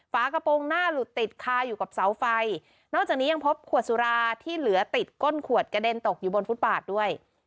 ฝากระโปรงหน้าหลุดติดคาอยู่กับเสาไฟนอกจากนี้ยังพบขวดสุราที่เหลือติดก้นขวดกระเด็นตกอยู่บนฟุตบาทด้วย